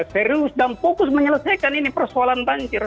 serius dan fokus menyelesaikan ini persoalan banjir